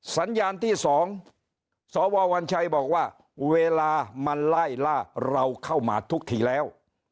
สัญญาณที่๒สววัญชัยบอกว่าเวลามันไล่ล่าเราเข้ามาทุกทีแล้ว